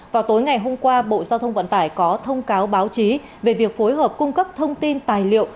vào tối ngày hôm qua bộ giao thông vận tải có thông cáo báo chí về việc phối hợp cung cấp thông tin tài liệu